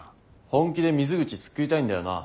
本気で水口救いたいんだよな？